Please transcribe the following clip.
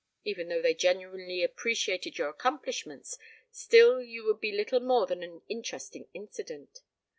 Even though they genuinely appreciated your accomplishments, still you would be little more than an interesting incident.